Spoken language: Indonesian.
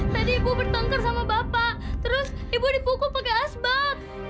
tadi ibu bertongkar sama bapak terus ibu dipukul pakai asbad